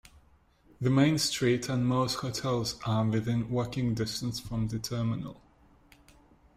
The main street and most hotels are within walking distance from the terminal.